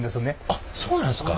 あっそうなんですか。